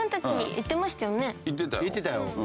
行ってたよ。